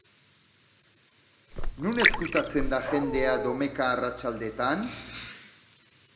Non ezkutatzen da jendea domeka arratsaldetan?